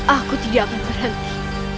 aku tidak akan berhenti